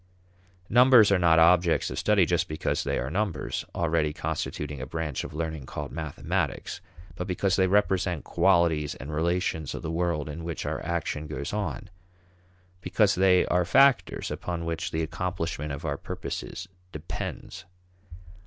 Numbers are not objects of study just because they are numbers already constituting a branch of learning called mathematics, but because they represent qualities and relations of the world in which our action goes on, because they are factors upon which the accomplishment of our purposes depends.